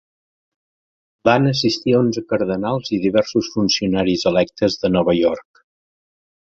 Van assistir onze cardenals i diversos funcionaris electes de Nova York.